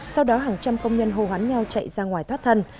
sau đó hàng trăm công nhân hồ hoán nhau chạy ra ngoài thoát thân